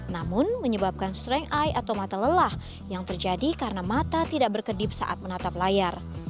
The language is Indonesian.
namun menyebabkan strength eye atau mata lelah yang terjadi karena mata tidak berkedip saat menatap layar